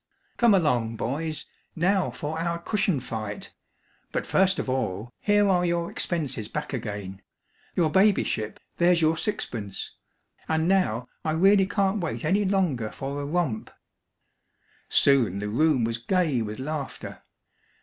Come along, boys, now for our cushion fight! But first of all, here are your expenses back again your Babyship, there's your sixpence and now I really can't wait any longer for a romp!" Soon the room was gay with laughter.